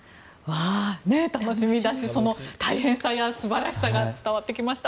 楽しみだし大変さや素晴らしさが伝わってきました。